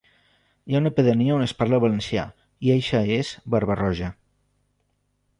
Hi ha una pedania on es parla valencià i eixa és Barba-roja.